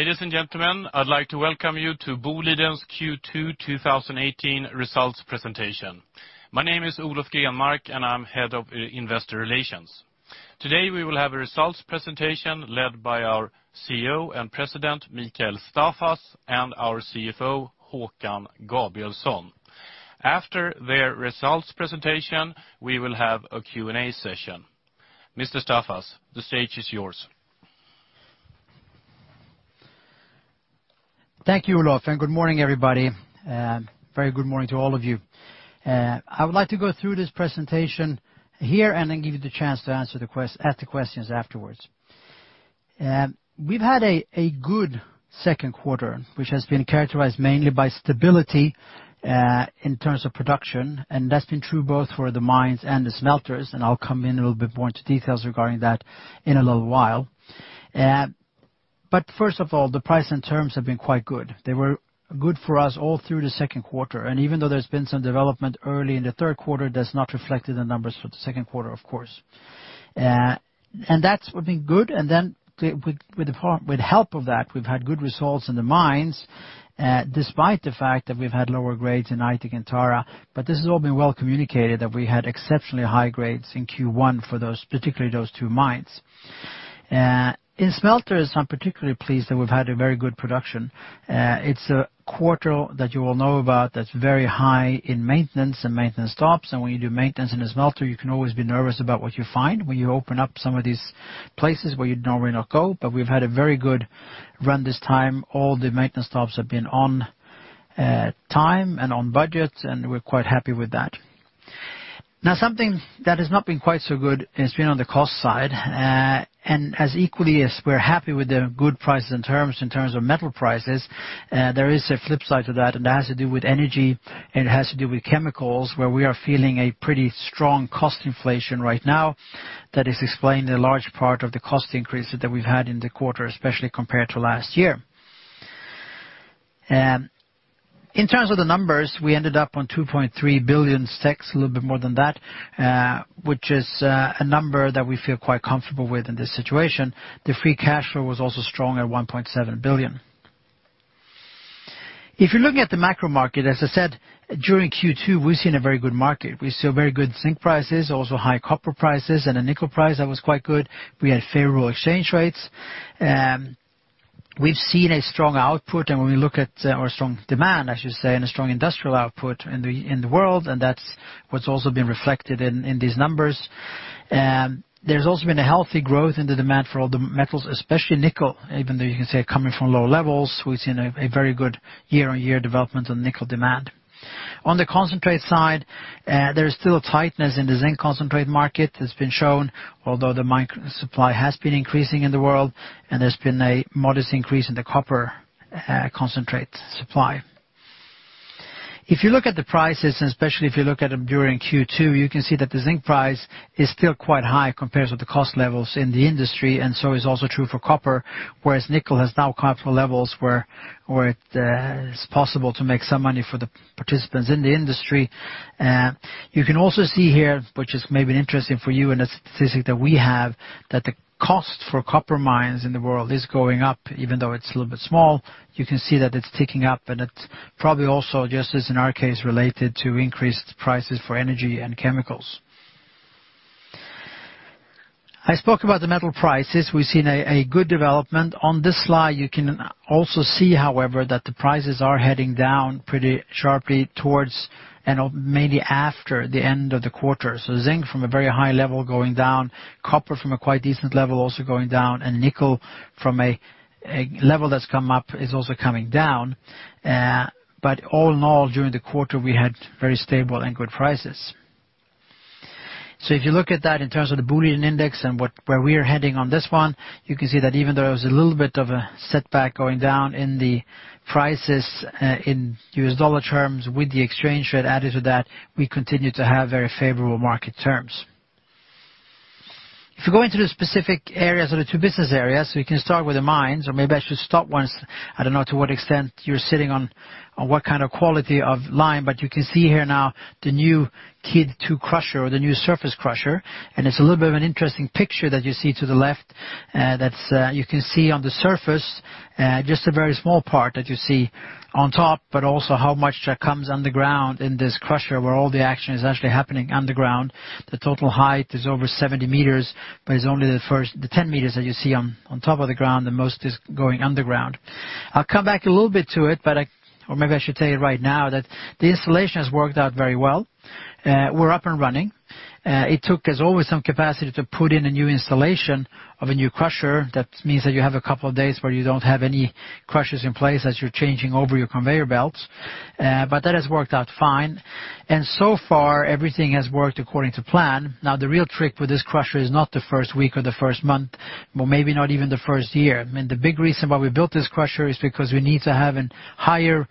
Ladies and gentlemen, I'd like to welcome you to Boliden's Q2 2018 results presentation. My name is Olof Grenmark, and I'm Head of Investor Relations. Today, we will have a results presentation led by our CEO and President, Mikael Staffas, and our CFO, Håkan Gabrielsson. After their results presentation, we will have a Q&A session. Mr. Staffas, the stage is yours. Thank you, Olof, good morning, everybody. A very good morning to all of you. I would like to go through this presentation here then give you the chance to ask the questions afterwards. We've had a good second quarter, which has been characterized mainly by stability in terms of production, that's been true both for the mines and the smelters, I'll come in a little bit more into details regarding that in a little while. First of all, the price and terms have been quite good. They were good for us all through the second quarter, even though there's been some development early in the third quarter, that's not reflected in numbers for the second quarter, of course. That's been good, then with help of that, we've had good results in the mines, despite the fact that we've had lower grades in Aitik and Tara, this has all been well communicated that we had exceptionally high grades in Q1 for particularly those two mines. In smelters, I'm particularly pleased that we've had a very good production. It's a quarter that you all know about that's very high in maintenance and maintenance stops. When you do maintenance in a smelter, you can always be nervous about what you find when you open up some of these places where you'd normally not go. We've had a very good run this time. All the maintenance stops have been on time and on budget, we're quite happy with that. Now, something that has not been quite so good has been on the cost side. As equally as we're happy with the good prices and terms in terms of metal prices, there is a flip side to that has to do with energy, it has to do with chemicals, where we are feeling a pretty strong cost inflation right now. That is explaining a large part of the cost increases that we've had in the quarter, especially compared to last year. In terms of the numbers, we ended up on 2.3 billion, a little bit more than that, which is a number that we feel quite comfortable with in this situation. The free cash flow was also strong at 1.7 billion. If you're looking at the macro market, as I said, during Q2, we've seen a very good market. We saw very good zinc prices, also high copper prices, a nickel price that was quite good. We had favorable exchange rates. We've seen a strong output. When we look at our strong demand, I should say, a strong industrial output in the world. That's what's also been reflected in these numbers. There's also been a healthy growth in the demand for all the metals, especially nickel, even though you can say coming from lower levels, we've seen a very good year-on-year development on nickel demand. On the concentrate side, there is still a tightness in the zinc concentrate market that's been shown, although the supply has been increasing in the world. There's been a modest increase in the copper concentrate supply. If you look at the prices, especially if you look at them during Q2, you can see that the zinc price is still quite high compared with the cost levels in the industry. So is also true for copper, whereas nickel has now come up to levels where it is possible to make some money for the participants in the industry. You can also see here, which is maybe interesting for you, a statistic that we have, that the cost for copper mines in the world is going up, even though it's a little bit small. You can see that it's ticking up. It's probably also, just as in our case, related to increased prices for energy and chemicals. I spoke about the metal prices. We've seen a good development. On this slide, you can also see, however, that the prices are heading down pretty sharply towards and maybe after the end of the quarter. Zinc from a very high level going down, copper from a quite decent level also going down, nickel from a level that's come up is also coming down. All in all, during the quarter, we had very stable and good prices. If you look at that in terms of the Boliden index and where we're heading on this one, you can see that even though there was a little bit of a setback going down in the prices in US dollar terms with the exchange rate added to that, we continue to have very favorable market terms. If you go into the specific areas of the two business areas, we can start with the mines. Maybe I should stop once. I don't know to what extent you're sitting on what kind of quality of line, but you can see here now the new KiD2 crusher or the new surface crusher. It's a little bit of an interesting picture that you see to the left. You can see on the surface, just a very small part that you see on top. Also how much comes underground in this crusher where all the action is actually happening underground. The total height is over 70 meters, but it's only the 10 meters that you see on top of the ground. The most is going underground. I'll come back a little bit to it, or maybe I should tell you right now that the installation has worked out very well. We're up and running. It took us over some capacity to put in a new installation of a new crusher. That means that you have a couple of days where you don't have any crushers in place as you're changing over your conveyor belts. That has worked out fine. So far, everything has worked according to plan. Now, the real trick with this crusher is not the first week or the first month, or maybe not even the first year. The big reason why we built this crusher is because we need to have a higher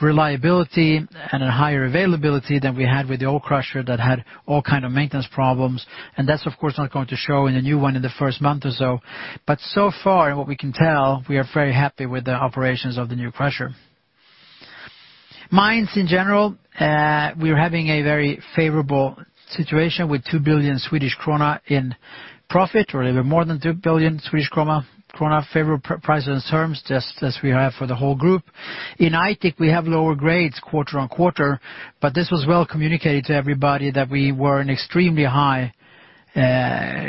reliability and a higher availability than we had with the old crusher that had all kind of maintenance problems. That's, of course, not going to show in a new one in the first month or so. So far, in what we can tell, we are very happy with the operations of the new crusher. Mines in general, we're having a very favorable situation with 2 billion Swedish krona in profit, or a little more than 2 billion Swedish krona, favorable price and terms, just as we have for the whole group. In Aitik, we have lower grades quarter-on-quarter, this was well communicated to everybody that we were in extremely high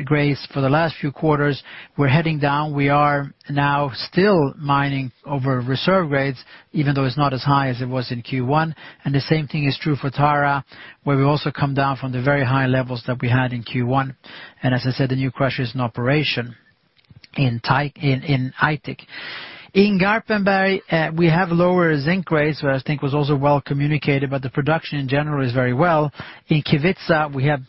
grades for the last few quarters. We're heading down. We are now still mining over reserve grades, even though it's not as high as it was in Q1. The same thing is true for Tara, where we also come down from the very high levels that we had in Q1. As I said, the new crushers in operation in Aitik. In Garpenberg, we have lower zinc grades, so I think was also well communicated, but the production, in general, is very well. In Kevitsa, we have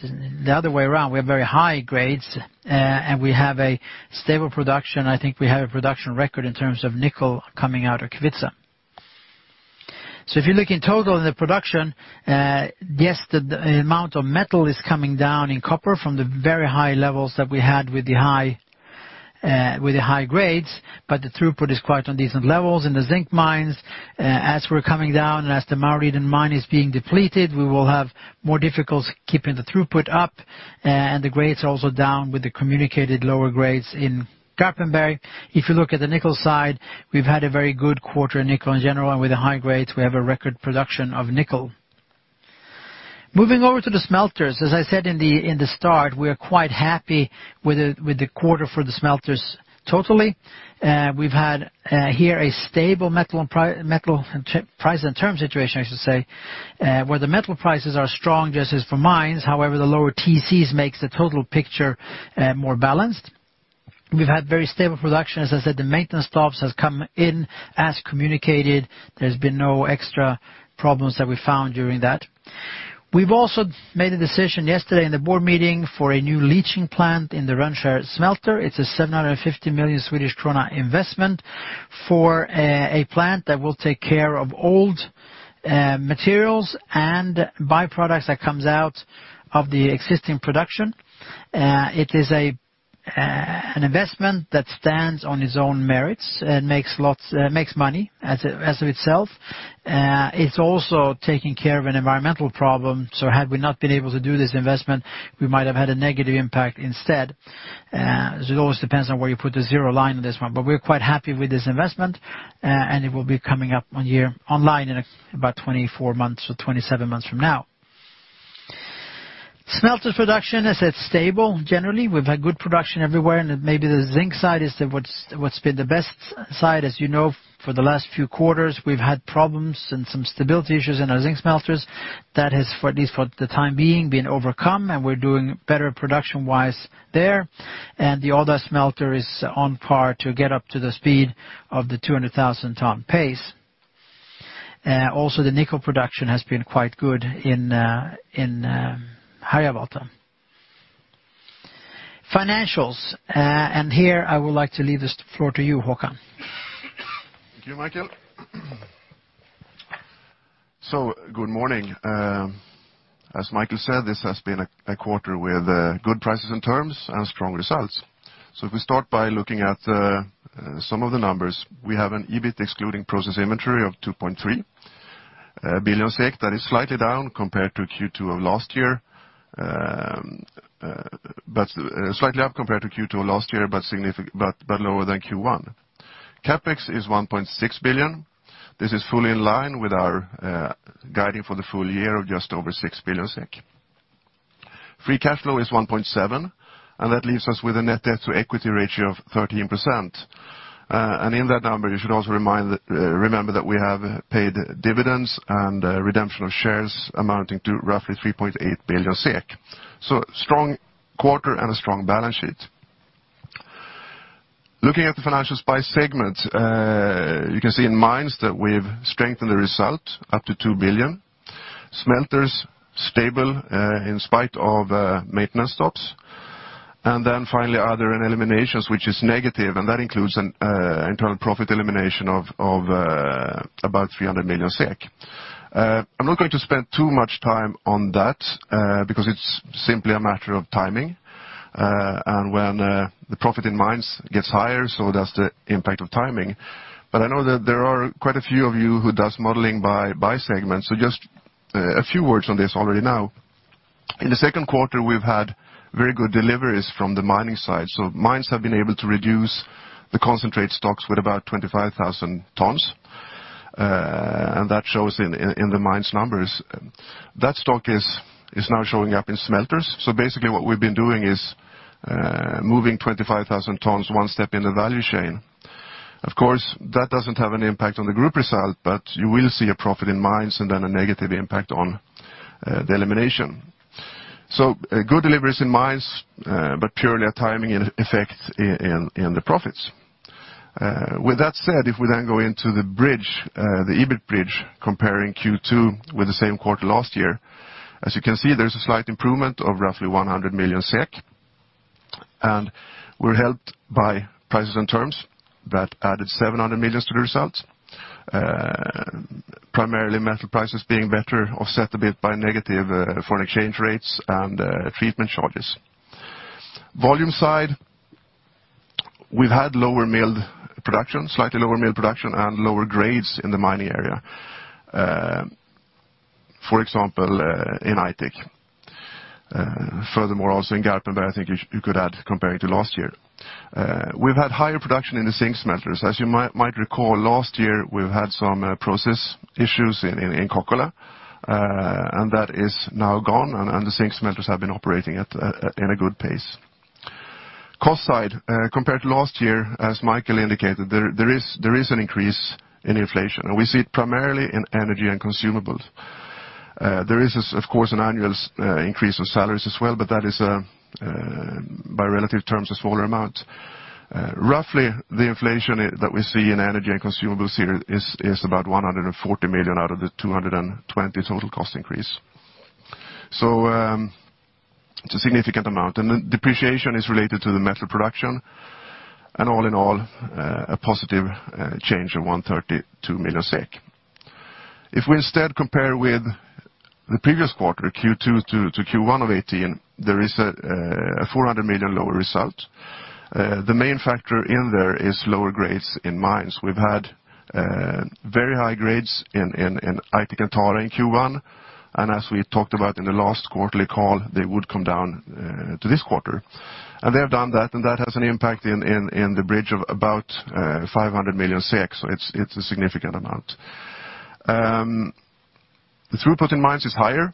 the other way around. We have very high grades, and we have a stable production. I think we have a production record in terms of nickel coming out of Kevitsa. If you look in total in the production, yes, the amount of metal is coming down in copper from the very high levels that we had with the high grades, but the throughput is quite on decent levels. In the zinc mines, as we're coming down and as the Maurliden mine is being depleted, we will have more difficulties keeping the throughput up, and the grades are also down with the communicated lower grades in Garpenberg. If you look at the nickel side, we've had a very good quarter in nickel in general, and with the high grades, we have a record production of nickel. Moving over to the smelters, as I said in the start, we are quite happy with the quarter for the smelters totally. We've had here a stable metal price and term situation, I should say, where the metal prices are strong, just as for mines. However, the lower TCs makes the total picture more balanced. We've had very stable production. As I said, the maintenance stops has come in as communicated. There's been no extra problems that we found during that. We've also made a decision yesterday in the board meeting for a new leaching plant in the Rönnskär smelter. It's a 750 million Swedish krona investment for a plant that will take care of old materials and by-products that comes out of the existing production. It is an investment that stands on its own merits and makes money as of itself. It's also taking care of an environmental problem. Had we not been able to do this investment, we might have had a negative impact instead. It always depends on where you put the zero line on this one. We're quite happy with this investment, and it will be coming up online in about 24 months or 27 months from now. Smelter production is at stable, generally. We've had good production everywhere, and maybe the zinc side is what's been the best side. As you know, for the last few quarters, we've had problems and some stability issues in our zinc smelters. That has, at least for the time being, been overcome, and we're doing better production-wise there. The other smelter is on par to get up to the speed of the 200,000 ton pace. Also, the nickel production has been quite good in Harjavalta. Financials, and here I would like to leave this floor to you, Håkan. Thank you, Mikael. Good morning. As Mikael said, this has been a quarter with good prices and terms and strong results. If we start by looking at some of the numbers, we have an EBIT excluding process inventory of 2.3 billion SEK. That is slightly up compared to Q2 of last year, but lower than Q1. CapEx is 1.6 billion. This is fully in line with our guiding for the full year of just over 6 billion SEK. Free cash flow is 1.7 billion, and that leaves us with a net debt to equity ratio of 13%. In that number, you should also remember that we have paid dividends and redemption of shares amounting to roughly 3.8 billion SEK. Strong quarter and a strong balance sheet. Looking at the financials by segment, you can see in mines that we've strengthened the result up to 2 billion. Smelters, stable in spite of maintenance stops. Then finally, other and eliminations, which is negative, and that includes an internal profit elimination of about 300 million SEK. I'm not going to spend too much time on that, because it's simply a matter of timing, and when the profit in mines gets higher, so does the impact of timing. I know that there are quite a few of you who does modeling by segment. Just a few words on this already now. In the second quarter, we've had very good deliveries from the mining side. Mines have been able to reduce the concentrate stocks with about 25,000 tons, and that shows in the mines numbers. That stock is now showing up in smelters. Basically what we've been doing is moving 25,000 tons one step in the value chain. Of course, that doesn't have any impact on the group result, but you will see a profit in mines and then a negative impact on the elimination. So good deliveries in mines, but purely a timing effect in the profits. With that said, if we then go into the bridge, the EBIT bridge, comparing Q2 with the same quarter last year, as you can see, there's a slight improvement of roughly 100 million SEK, and we're helped by prices and terms that added 700 million to the results. Primarily metal prices being better offset a bit by negative foreign exchange rates and Treatment Charges. Volume side, we've had slightly lower milled production and lower grades in the mining area. For example, in Aitik. Furthermore, also in Garpenberg, I think you could add comparing to last year. We've had higher production in the zinc smelters. As you might recall, last year we had some process issues in Kokkola, and that is now gone, and the zinc smelters have been operating at a good pace. Cost side, compared to last year, as Mikael indicated, there is an increase in inflation, and we see it primarily in energy and consumables. There is, of course, an annual increase in salaries as well, but that is by relative terms, a smaller amount. Roughly the inflation that we see in energy and consumables here is about 140 million out of the 220 total cost increase. So it's a significant amount. And then depreciation is related to the metal production and all in all, a positive change of 132 million SEK. If we instead compare with the previous quarter, Q2 to Q1 of 2018, there is a 400 million lower result. The main factor in there is lower grades in mines. We've had very high grades in Aitik and Tara in Q1, and as we talked about in the last quarterly call, they would come down to this quarter. And they have done that, and that has an impact in the bridge of about 500 million SEK, so it's a significant amount. The throughput in mines is higher.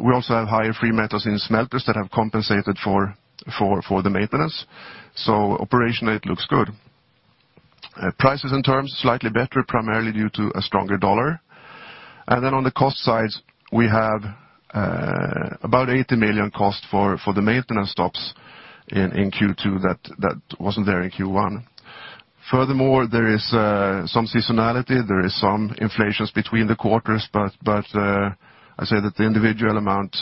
We also have higher free metals in smelters that have compensated for the maintenance. So operationally it looks good. Prices in terms slightly better, primarily due to a stronger dollar. And then on the cost side, we have about 80 million cost for the maintenance stops in Q2 that wasn't there in Q1. Furthermore, there is some seasonality, there is some inflations between the quarters, but I'd say that the individual amount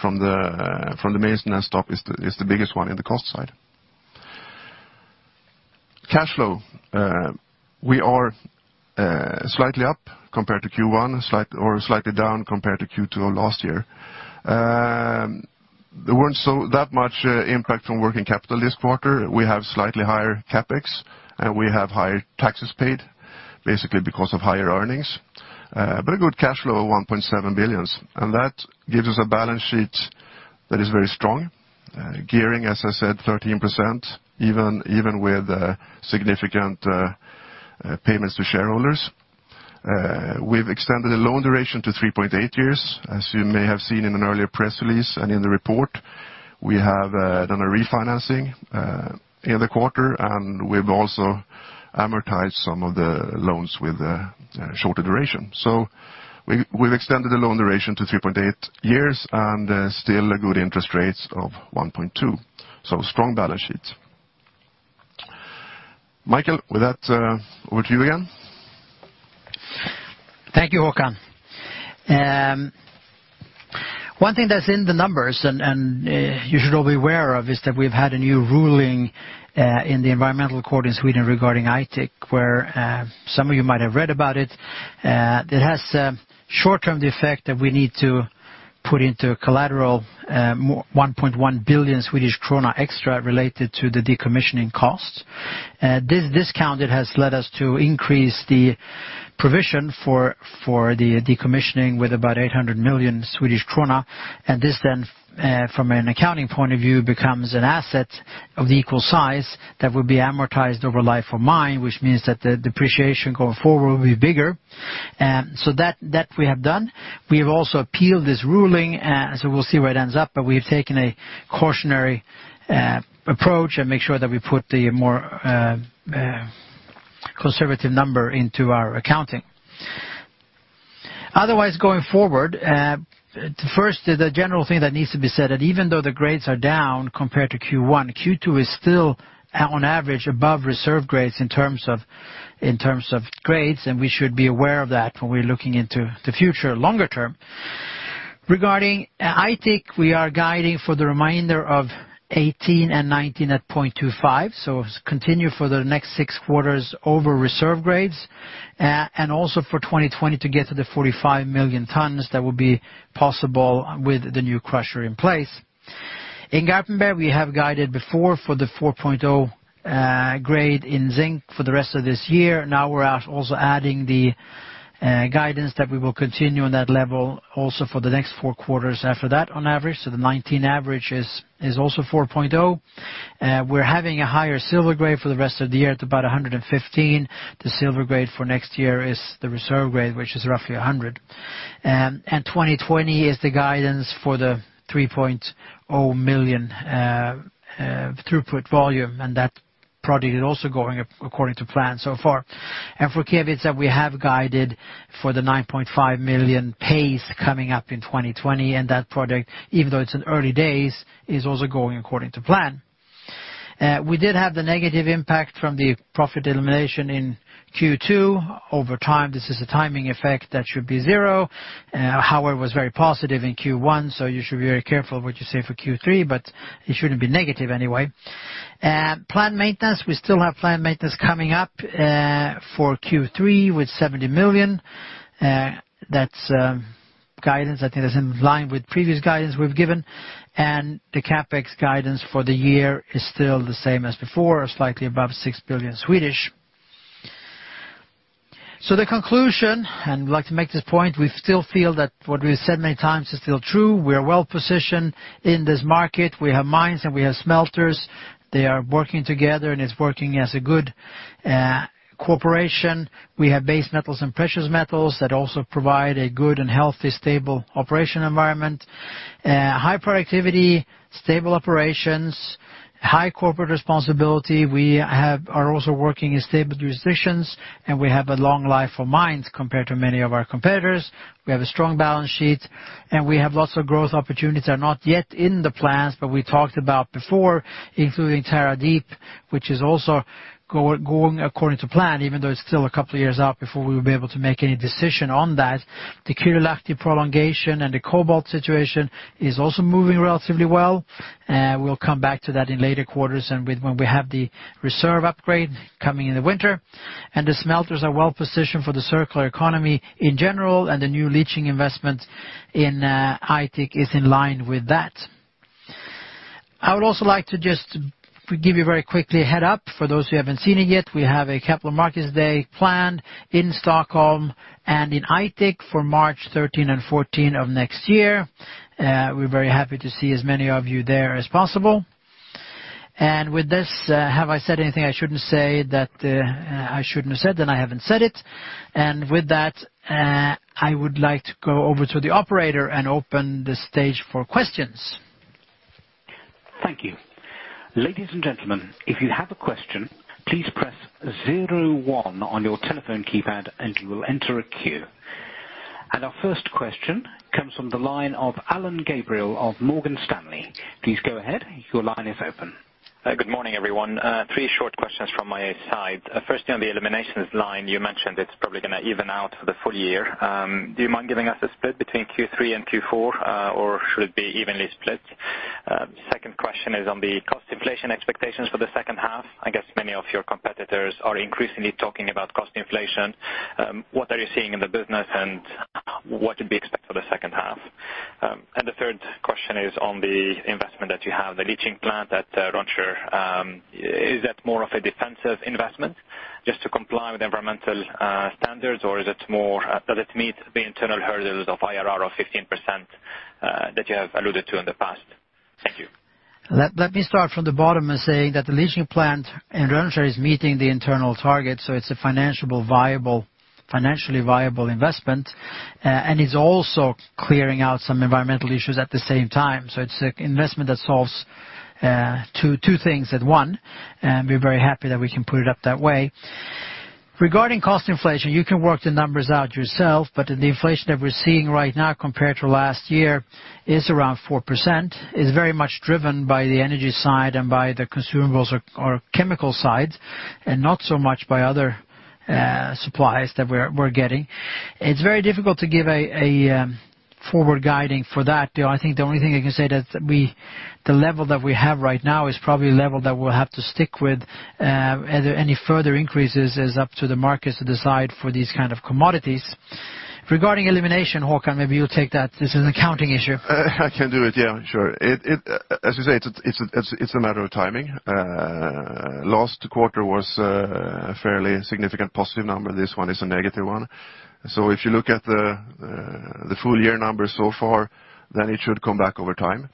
from the maintenance stop is the biggest one in the cost side. Cash flow. We are slightly up compared to Q1, or slightly down compared to Q2 of last year. There weren't that much impact from working capital this quarter. We have slightly higher CapEx, and we have higher taxes paid, basically because of higher earnings. But a good cash flow of 1.7 billion. And that gives us a balance sheet that is very strong. Gearing, as I said, 13%, even with significant payments to shareholders. We've extended the loan duration to 3.8 years. As you may have seen in an earlier press release and in the report, we have done a refinancing in the quarter, and we've also amortized some of the loans with a shorter duration. So we've extended the loan duration to 3.8 years, and still a good interest rates of 1.2. So strong balance sheet. Mikael, with that, over to you again. Thank you, Håkan. One thing that's in the numbers and you should all be aware of is that we've had a new ruling in the environmental court in Sweden regarding Aitik, where some of you might have read about it. It has a short-term effect that we need to put into collateral 1.1 billion Swedish krona extra related to the decommissioning cost. This discount, it has led us to increase the provision for the decommissioning with about 800 million Swedish krona. This then from an accounting point of view, becomes an asset of the equal size that will be amortized over life of mine, which means that the depreciation going forward will be bigger. That we have done. We have also appealed this ruling. We'll see where it ends up, but we've taken a cautionary approach and make sure that we put the more conservative number into our accounting. Otherwise, going forward, first, the general thing that needs to be said, that even though the grades are down compared to Q1, Q2 is still on average above reserve grades in terms of grades. We should be aware of that when we're looking into the future longer term. Regarding Aitik, we are guiding for the remainder of 2018 and 2019 at 0.25. Continue for the next six quarters over reserve grades. Also for 2020 to get to the 45 million tons that will be possible with the new crusher in place. In Garpenberg, we have guided before for the 4.0 grade in zinc for the rest of this year. We're also adding the guidance that we will continue on that level also for the next four quarters after that on average. The 2019 average is also 4.0. We're having a higher silver grade for the rest of the year at about 115. The silver grade for next year is the reserve grade, which is roughly 100. 2020 is the guidance for the 3.0 million throughput volume. That project is also going according to plan so far. For Kevitsa, we have guided for the 9.5 million pace coming up in 2020. That project, even though it's in early days, is also going according to plan. We did have the negative impact from the profit elimination in The conclusion, and we'd like to make this point, we still feel that what we've said many times is still true. We are well-positioned in this market. We have mines and we have smelters. They are working together, and it's working as a good cooperation. We have base metals and precious metals that also provide a good and healthy, stable operation environment. High productivity, stable operations, high corporate responsibility. We are also working in stable jurisdictions, and we have a long life of mines compared to many of our competitors. We have a strong balance sheet, and we have lots of growth opportunities that are not yet in the plans, but we talked about before, including Tara Deep, which is also going according to plan, even though it is still a couple of years out before we will be able to make any decision on that. The Kylylahti prolongation and the cobalt situation is also moving relatively well. We will come back to that in later quarters and when we have the reserve upgrade coming in the winter. The smelters are well-positioned for the circular economy in general, and the new leaching investment in Aitik is in line with that. I would also like to just give you very quickly a head-up for those who haven't seen it yet. We have a capital markets day planned in Stockholm and in Aitik for March 13 and 14 of next year. We are very happy to see as many of you there as possible. With this, have I said anything I shouldn't say that I shouldn't have said, then I haven't said it. With that, I would like to go over to the operator and open the stage for questions. Thank you. Ladies and gentlemen, if you have a question, please press zero one on your telephone keypad and you will enter a queue. Our first question comes from the line of Alain Gabriel of Morgan Stanley. Please go ahead. Your line is open. Good morning, everyone. Three short questions from my side. First, on the eliminations line, you mentioned it is probably going to even out for the full year. Do you mind giving us a split between Q3 and Q4, or should it be evenly split? Second question is on the cost inflation expectations for the second half. I guess many of your competitors are increasingly talking about cost inflation. What are you seeing in the business, and what should we expect for the second half? The third question is on the investment that you have, the leaching plant at Rönnskär. Is that more of a defensive investment just to comply with environmental standards, or does it meet the internal hurdles of IRR of 15% that you have alluded to in the past? Thank you. Let me start from the bottom and say that the leaching plant in Rönnskär is meeting the internal target, so it's a financially viable investment, and it's also clearing out some environmental issues at the same time. It's an investment that solves two things at once, and we're very happy that we can put it up that way. Regarding cost inflation, you can work the numbers out yourself, but the inflation that we're seeing right now compared to last year is around 4%, is very much driven by the energy side and by the consumables or chemical side, and not so much by other supplies that we're getting. It's very difficult to give a forward guiding for that. I think the only thing I can say that the level that we have right now is probably a level that we'll have to stick with. Any further increases is up to the markets to decide for these kind of commodities. Regarding elimination, Håkan, maybe you'll take that. This is an accounting issue. I can do it, yeah, sure. As you say, it's a matter of timing. Last quarter was a fairly significant positive number. This one is a negative one. If you look at the full year numbers so far, then it should come back over time.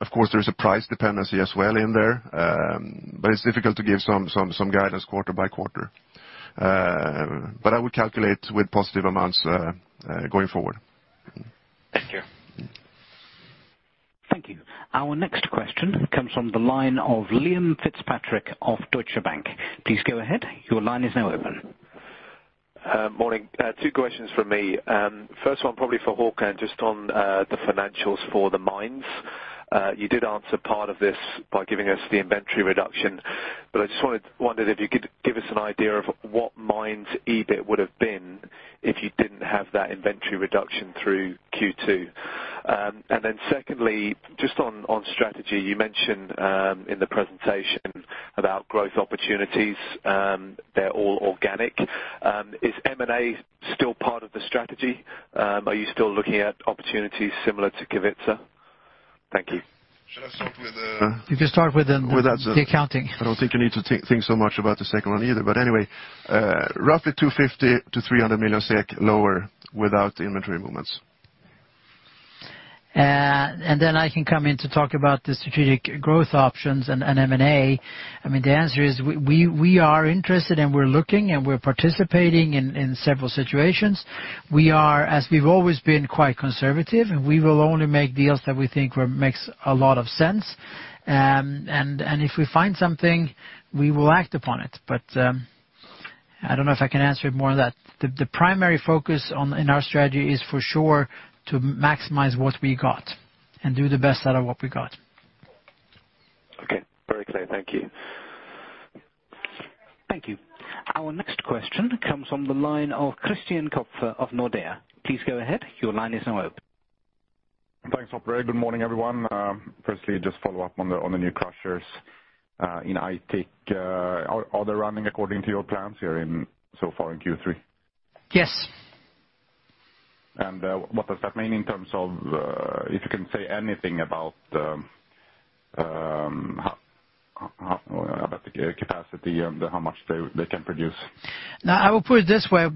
Of course, there is a price dependency as well in there, but it's difficult to give some guidance quarter by quarter. I would calculate with positive amounts going forward. Thank you. Thank you. Our next question comes from the line of Liam Fitzpatrick of Deutsche Bank. Please go ahead. Your line is now open. Morning. Two questions from me. First one probably for Håkan, just on the financials for the mines. You did answer part of this by giving us the inventory reduction, but I just wondered if you could give us an idea of what mines EBIT would have been if you didn't have that inventory reduction through Q2. Secondly, just on strategy, you mentioned in the presentation about growth opportunities. They're all organic. Is M&A still part of the strategy? Are you still looking at opportunities similar to Kevitsa? Thank you. Should I start with the You can start with the accounting. I don't think you need to think so much about the second one either. Anyway, roughly 250 million-300 million SEK lower without the inventory movements. I can come in to talk about the strategic growth options and M&A. The answer is we are interested, we're looking, we're participating in several situations. We are, as we've always been, quite conservative, and we will only make deals that we think makes a lot of sense. If we find something, we will act upon it. I don't know if I can answer it more than that. The primary focus in our strategy is for sure to maximize what we got and do the best out of what we got. Okay. Very clear. Thank you. Thank you. Our next question comes from the line of Christian Kopfer of Nordea. Please go ahead. Your line is now open. Thanks, operator. Good morning, everyone. Firstly, just follow up on the new crushers in Aitik. Are they running according to your plans here so far in Q3? Yes. What does that mean in terms of if you can say anything about the capacity and how much they can produce? I will put it this way.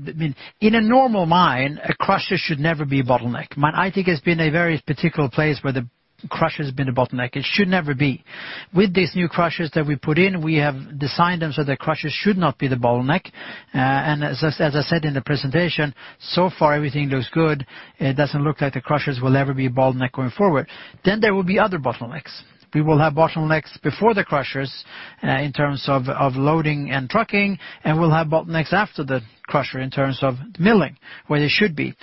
In a normal mine, a crusher should never be a bottleneck. Mine Aitik has been a very particular place where the crusher's been a bottleneck. It should never be. With these new crushers that we put in, we have designed them so the crushers should not be the bottleneck. As I said in the presentation, so far everything looks good. It doesn't look like the crushers will ever be a bottleneck going forward. There will be other bottlenecks. We will have bottlenecks before the crushers in terms of loading and trucking, and we'll have bottlenecks after the crusher in terms of milling where they should be.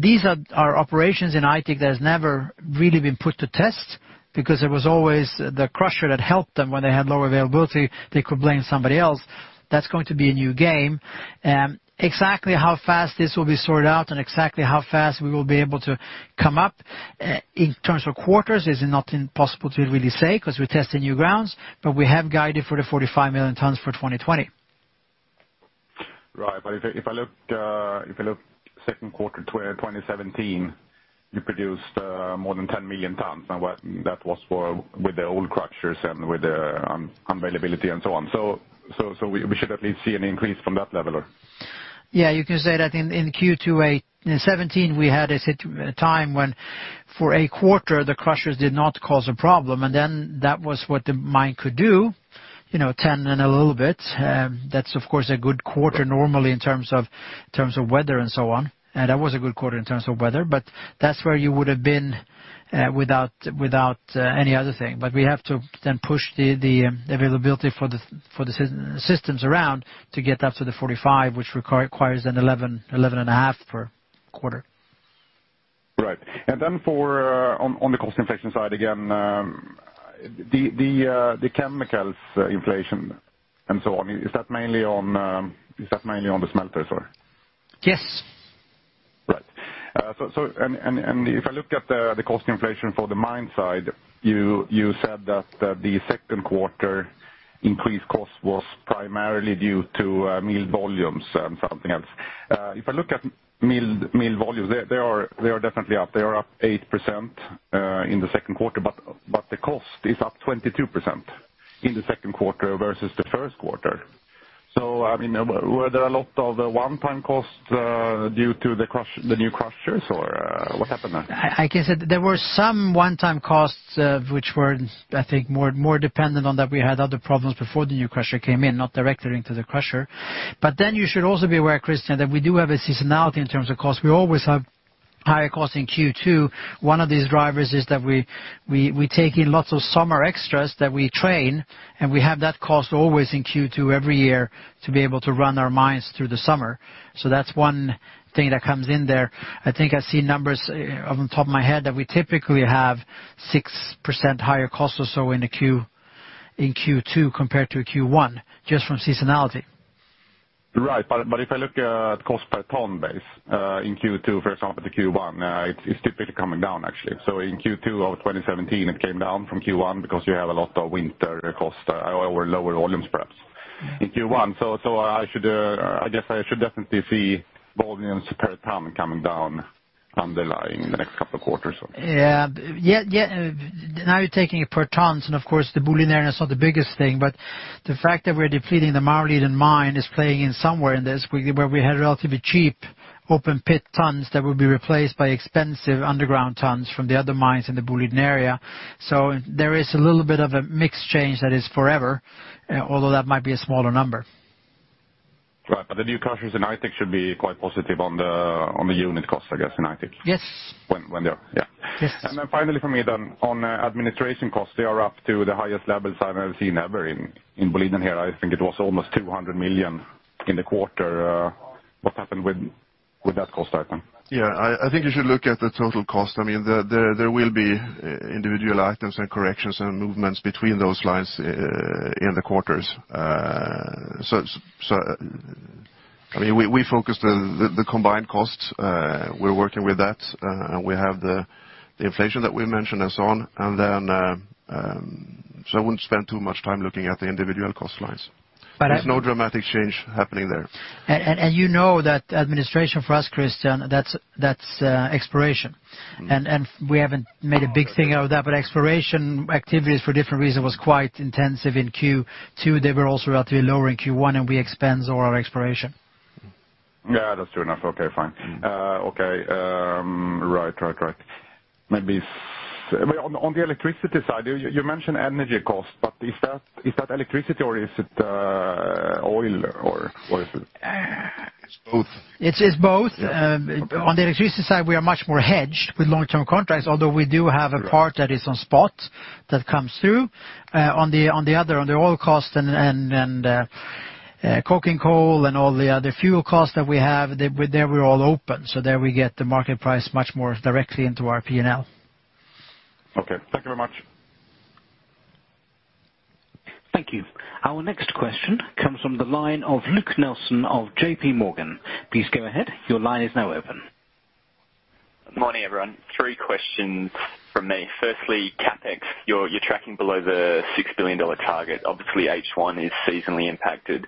These are operations in Aitik that has never really been put to test because there was always the crusher that helped them. When they had low availability, they could blame somebody else. That's going to be a new game. Exactly how fast this will be sorted out and exactly how fast we will be able to come up in terms of quarters is not possible to really say because we're testing new grounds, we have guided for the 45 million tonnes for 2020. Right. If I look second quarter 2017, you produced more than 10 million tonnes. Now, that was with the old crushers and with the unavailability and so on. We should at least see an increase from that level? Yeah, you can say that in Q2 2017, we had a time when for a quarter the crushers did not cause a problem and then that was what the mine could do, 10 and a little bit. That's of course a good quarter normally in terms of weather and so on. That was a good quarter in terms of weather, but that's where you would have been without any other thing. We have to then push the availability for the systems around to get up to the 45, which requires an 11.5 per quarter. Right. Then on the cost inflation side again, the chemicals inflation and so on, is that mainly on the smelters or? Yes. Right. If I look at the cost inflation for the mine side, you said that the second quarter increase cost was primarily due to mill volumes and something else. If I look at mill volumes, they are definitely up. They are up 8% in the second quarter, but the cost is up 22% in the second quarter versus the first quarter. Were there a lot of one-time costs due to the new crushers or what happened there? I can say there were some one-time costs which were, I think, more dependent on that we had other problems before the new crusher came in, not directly into the crusher. You should also be aware, Christian, that we do have a seasonality in terms of cost. We always have higher costs in Q2. One of these drivers is that we take in lots of summer extras that we train, and we have that cost always in Q2 every year to be able to run our mines through the summer. That's one thing that comes in there. I think I see numbers off the top of my head that we typically have 6% higher cost or so in Q2 compared to Q1, just from seasonality. Right. If I look at cost per ton base in Q2, for example, to Q1 it's typically coming down, actually. In Q2 of 2017 it came down from Q1 because you have a lot of winter cost or lower volumes perhaps in Q1. I guess I should definitely see volumes per ton coming down underlying in the next couple of quarters. Now you're taking it per tons, of course the Boliden area is not the biggest thing, the fact that we're depleting the Maurliden mine is playing in somewhere in this, where we had relatively cheap open pit tonnes that will be replaced by expensive underground tonnes from the other mines in the Boliden area. There is a little bit of a mix change that is forever, although that might be a smaller number. Right. The new crushers in Aitik should be quite positive on the unit cost, I guess, in Aitik. Yes. When they're Yeah. Yes. Finally from me then, on administration costs, they are up to the highest levels I've ever seen ever in Boliden here. I think it was almost 200 million in the quarter. What happened with that cost item? Yeah, I think you should look at the total cost. There will be individual items and corrections and movements between those lines in the quarters. We focus the combined costs, we're working with that, and we have the inflation that we mentioned and so on. I wouldn't spend too much time looking at the individual cost lines. There's no dramatic change happening there. You know that administration for us, Christian, that's exploration. We haven't made a big thing out of that, exploration activities for different reasons was quite intensive in Q2. They were also relatively lower in Q1, we expense all our exploration. Yeah, that's true enough. Okay, fine. Okay. Right. Maybe on the electricity side, you mentioned energy cost, but is that electricity or is it oil or what is it? It's both. It's both. On the electricity side we are much more hedged with long-term contracts, although we do have a part that is on spot that comes through. On the other, on the oil cost and coking coal and all the other fuel costs that we have, there we're all open. There we get the market price much more directly into our P&L. Okay. Thank you very much. Thank you. Our next question comes from the line of Luke Nelson of J.P. Morgan. Please go ahead. Your line is now open. Morning, everyone. Three questions from me. Firstly, CapEx. You're tracking below the SEK 6 billion target. Obviously H1 is seasonally impacted.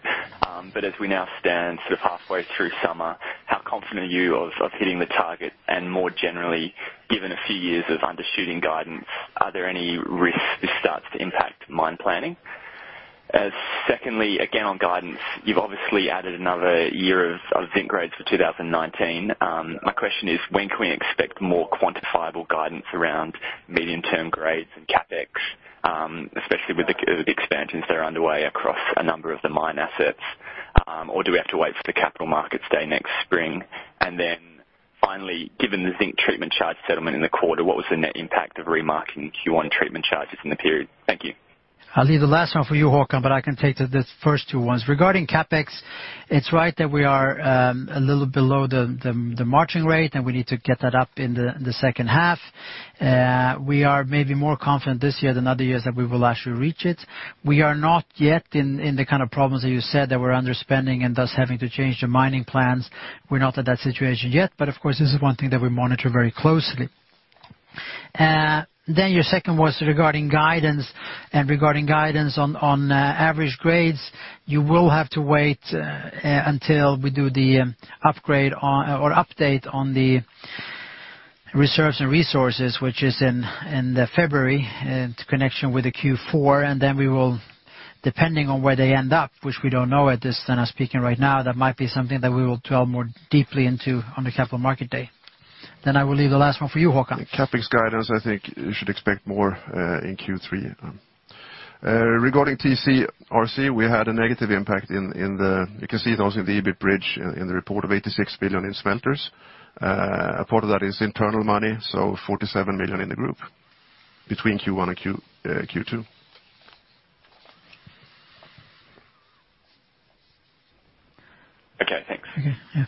As we now stand sort of halfway through summer, how confident are you of hitting the target? More generally, given a few years of undershooting guidance, are there any risks this starts to impact mine planning? Secondly, again on guidance, you've obviously added another year of zinc grades for 2019. My question is, when can we expect more quantifiable guidance around medium-term grades and CapEx, especially with the expansions that are underway across a number of the mine assets? Or do we have to wait for the capital markets day next spring? Finally, given the zinc treatment charge settlement in the quarter, what was the net impact of remarketing Q1 treatment charges in the period? Thank you. I'll leave the last one for you, Håkan, I can take the first two ones. Regarding CapEx, it's right that we are a little below the marching rate, and we need to get that up in the second half. We are maybe more confident this year than other years that we will actually reach it. We are not yet in the kind of problems that you said, that we're underspending and thus having to change the mining plans. We're not at that situation yet. Of course, this is one thing that we monitor very closely. Your second was regarding guidance and regarding guidance on average grades, you will have to wait until we do the upgrade or update on the reserves and resources, which is in February in connection with the Q4. We will, depending on where they end up, which we don't know at this time of speaking right now, that might be something that we will delve more deeply into on the capital market day. I will leave the last one for you, Håkan. CapEx guidance, I think you should expect more in Q3. Regarding TCRC, we had a negative impact. You can see those in the EBIT bridge in the report of 86 million in smelters. A part of that is internal money, so 47 million in the group between Q1 and Q2. Okay, thanks. Okay, yeah.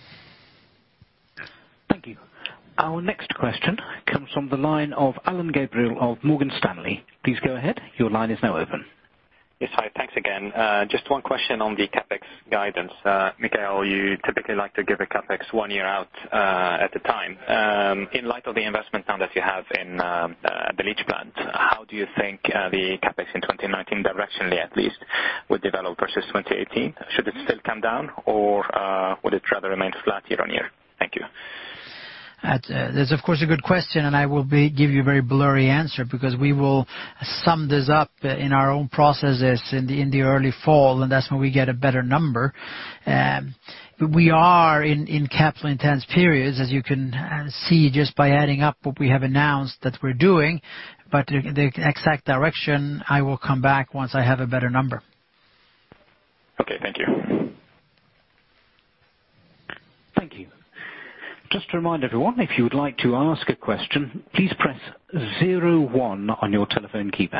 Thank you. Our next question comes from the line of Alain Gabriel of Morgan Stanley. Please go ahead. Your line is now open. Yes. Hi. Thanks again. Just one question on the CapEx guidance. Mikael, you typically like to give a CapEx one year out at a time. In light of the investment fund that you have in the leach plant, how do you think the CapEx in 2019 directionally at least, will develop versus 2018? Should it still come down or would it rather remain flat year on year? Thank you. That's of course a good question. I will give you a very blurry answer because we will sum this up in our own processes in the early fall. That's when we get a better number. We are in capital intense periods, as you can see just by adding up what we have announced that we're doing. The exact direction, I will come back once I have a better number. Okay. Thank you. Thank you. Just to remind everyone, if you would like to ask a question, please press zero one on your telephone keypad.